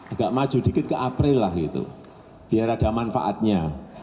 agak maju dikit ke april lah gitu biar ada manfaatnya